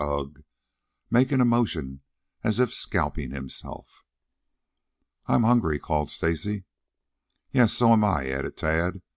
Ugh!" making a motion as if scalping himself. "I'm hungry," called Stacy. "Yes; so am I," added Tad.